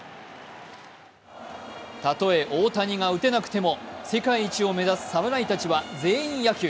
たとえ大谷が打てなくても世界一を目指す侍たちは全員野球。